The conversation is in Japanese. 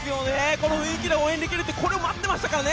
この雰囲気で応援できるってこれを待ってましたからね